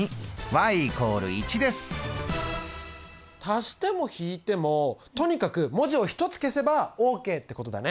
足しても引いてもとにかく文字を１つ消せばＯＫってことだね。